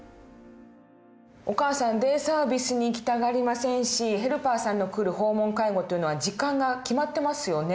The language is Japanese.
お母さんデイサービスに行きたがりませんしヘルパーさんの来る訪問介護というのは時間が決まってますよね。